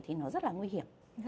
thì nó rất là nguy hiểm